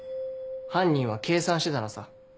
犯人は計算してたのさ。